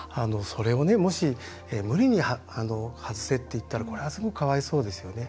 それをもし無理に外せって言ったらこれはすごくかわいそうですよね。